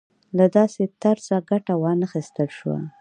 له داسې طرزه ګټه وانخیستل شوه.